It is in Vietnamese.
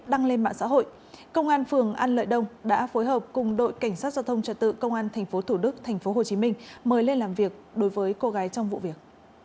đăng lên mạng xã hội công an phường an lợi đông đã phối hợp cùng đội cảnh sát giao thông trật tự công an tp thủ đức tp hcm mời lên làm việc đối với cô gái trong vụ việc